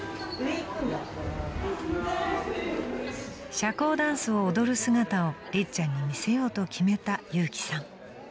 ［社交ダンスを踊る姿をりっちゃんに見せようと決めた］